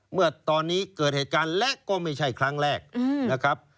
เมื่อตอนนี้เกิดเหตุการณ์และก็ไม่ใช่ครั้งแรกนะครับ